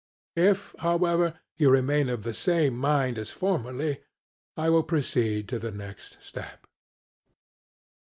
If, however, you remain of the same mind as formerly, I will proceed to the next step.